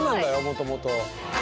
もともと。